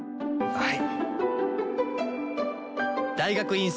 はい！